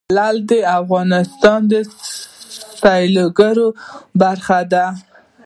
لعل د افغانستان د سیلګرۍ برخه ده.